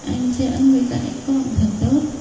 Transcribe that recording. anh sẽ người dạy con thật tốt